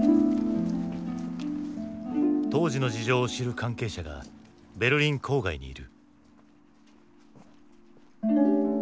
当時の事情を知る関係者がベルリン郊外にいる。